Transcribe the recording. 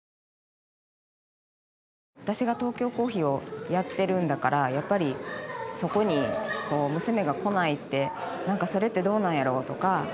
私がトーキョーコーヒーをやっているんだからやっぱりそこに娘が来ないってなんかそれってどうなんやろう？とか。